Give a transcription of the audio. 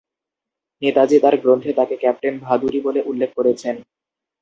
নেতাজী তার গ্রন্থে তাকে ক্যাপ্টেন ভাদুড়ী বলে উল্লেখ করেছেন।